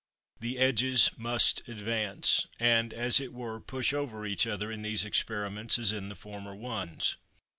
The edges must advance, and as it were push over each other in these experiments as in the former ones.